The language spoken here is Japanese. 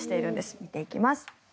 見ていきます。